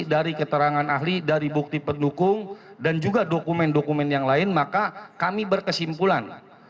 dari keterangan ahli dari bukti pendukung dan juga dokumen dokumen yang lain maka kami berkesimpulan